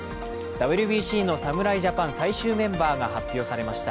ＷＢＣの侍ジャパン最終メンバーが発表されました。